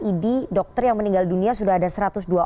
id dokter yang meninggal dunia sudah ada